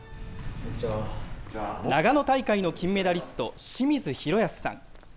長野大会の金メダリスト、清水宏保さん。